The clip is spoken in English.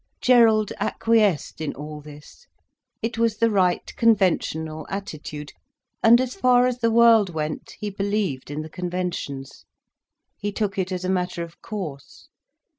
Gerald acquiesced in all this. It was the right conventional attitude, and, as far as the world went, he believed in the conventions. He took it as a matter of course.